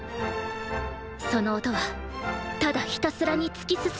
その音はただひたすらに突き進む音。